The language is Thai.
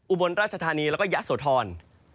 อุบลราชธานีแล้วก็ยะโสธร